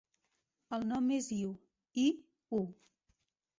El nom és Iu: i, u.